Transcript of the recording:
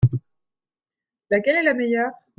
Laquelle est la meilleure ?